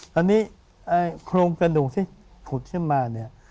ตอนนี้โครงกระหนูที่ขุดขึ้นมา